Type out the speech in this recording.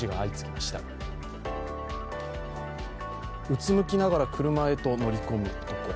うつむきながら車へと乗り込む男。